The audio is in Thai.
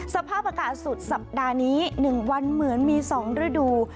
สภาพอากาศสุดสัปดาห์นี้๑วันเหมือนมี๒ฤดู